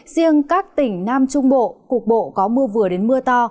riêng các tỉnh nam trung bộ cục bộ có mưa vừa đến mưa to